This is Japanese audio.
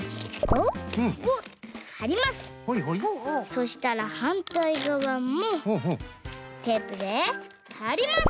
そしたらはんたいがわもテープではります。